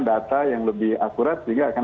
data yang lebih akurat sehingga akan